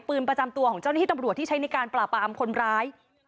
ประจำตัวของเจ้าหน้าที่ตำรวจที่ใช้ในการปราบปรามคนร้าย